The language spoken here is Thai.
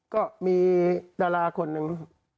ก็มีดราคนนึ้ง